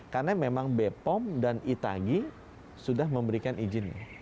karena memang bepom dan itagi sudah memberikan izin